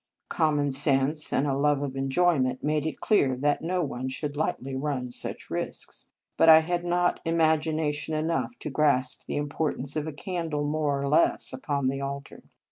Com mon sense and a love of enjoyment made it clear that no one should lightly run such risks. But I had not imagi nation enough to grasp the importance of a candle more or less upon the altar.